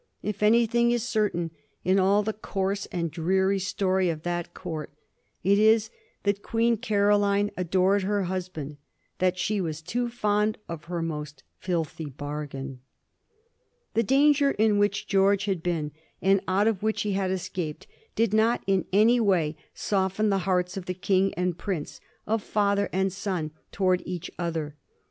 , If anything is certain in all the coarse and dreary story of that Court, it is that Queen Caroline adored her husband —that she was too fond of her most filthy bargain. The danger in which George had been, and out of which he had est ajied, did not in any way soften the hearts of King anrl prince, of father and son, towards each other.